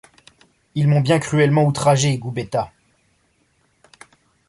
Ils m’ont bien cruellement outragée, Gubetta!